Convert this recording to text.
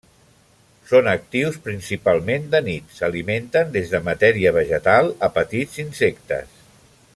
Són actius principalment de nit, s'alimenten des de matèria vegetal a petits insectes.